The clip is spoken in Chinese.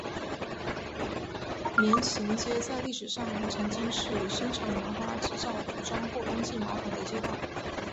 棉行街在历史上曾经是生产棉花制造服装或冬季毛毯的街道。